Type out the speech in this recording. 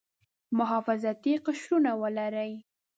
محافظتي قشرونه ولري.